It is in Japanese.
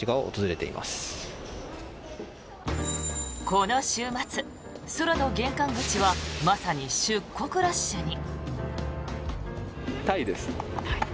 この週末、空の玄関口はまさに出国ラッシュに。